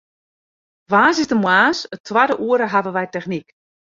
Woansdeitemoarns it twadde oere hawwe wy technyk.